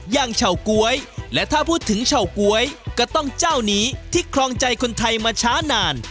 เฉาก๊วยและถ้าพูดถึงเฉาก๊วยก็ต้องเจ้านี้ที่ครองใจคนไทยมาช้านาน